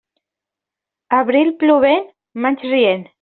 Abril plovent, maig rient.